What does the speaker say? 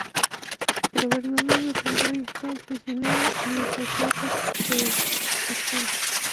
Pero Bernardo de Monroy estaba prisionero en las mazmorras de Argel.